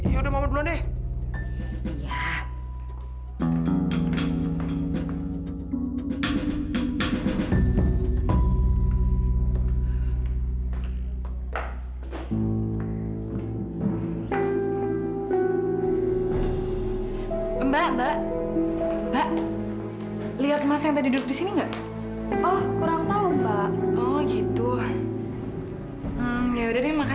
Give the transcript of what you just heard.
ya udah mama duluan deh